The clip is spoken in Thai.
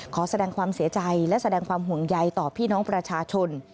ขอแสดงความเสียใจและแสดงความห่วงใยต่อพี่น้องประชาชน